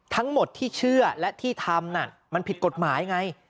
ทั้งหมดที่เชื่อและที่ทำมันผิดกฎหมายไง